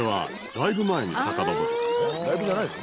「ライブじゃないの？」